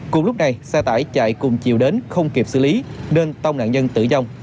cùng lúc này xe tải chạy cùng chiều đến không kịp xử lý nên tông nạn nhân tử vong